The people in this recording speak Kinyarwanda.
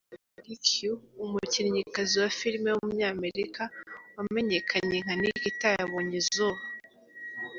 Maggie Q, umukinnyikazi wa filime w’umunyamerika wamenyekanye nka Nikita yabonye izuba.